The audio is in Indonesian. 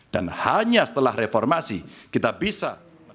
dan hanya setelah reformasi kita bisa